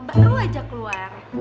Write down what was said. baru aja keluar